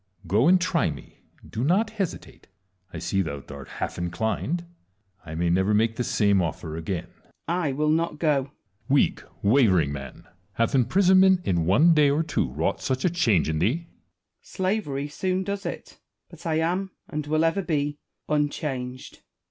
Go, and try me ; do not hesitate : I see thou art half inclined ; I may never make the same ofier again. Wallace. I will not go. Edward. Weak, wavering man ! hath imprisonment in one day or two wrought such a change in thee ? Wallace. Slavery soon does it ; but I am, and will ever be, unchanged. Edward.